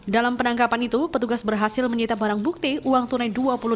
dalam penangkapan itu petugas berhasil menyetap barang bukti uang tunai dua puluh lima juta rupiah